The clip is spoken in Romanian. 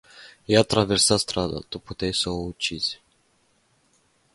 Ea traversa strada, tu puteai sa o ucizi.